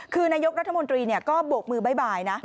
คือนายกรัฐมนตรีก็โบกมือบ๊ายนะ